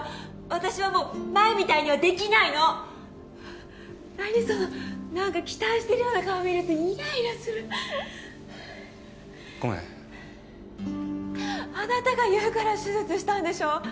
私はもう前みたいにはできないの何その何か期待してるような顔見るとイライラするごめんあなたが言うから手術したんでしょ